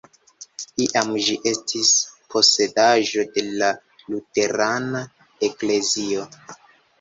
Iam ĝi estis posedaĵo de la luterana eklezio.